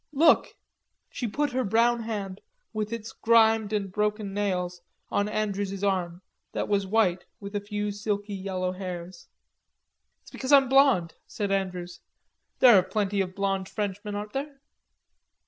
Look." She put her brown hand, with its grimed and broken nails, on Andrews's arm, that was white with a few silky yellow hairs. "It's because I'm blond," said Andrews. "There are plenty of blond Frenchmen, aren't there?"